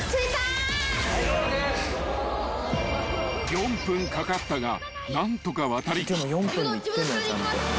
［４分かかったが何とか渡りきった］